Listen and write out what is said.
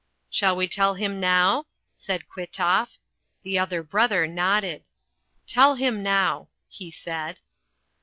"Shall we tell him now?" said Kwitoff. The other brother nodded. "Tell him now," he said.